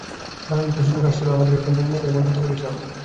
দারুণ একটা সুযোগ এসেছিল আমাদের সামনে, কিন্তু নিজেদেরই বঞ্চিত করেছি আমরা।